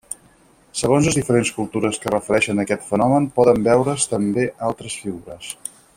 Segons les diferents cultures que refereixen aquest fenomen, poden veure's també altres figures.